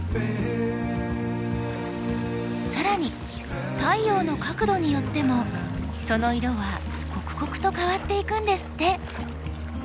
更に太陽の角度によってもその色は刻々と変わっていくんですって。